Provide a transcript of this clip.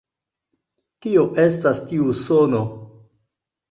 Kio estas tiu sono?